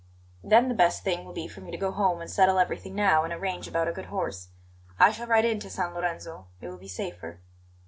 "Then the best thing will be for me to go home and settle everything now, and arrange about a good horse. I shall ride in to San Lorenzo; it will be safer."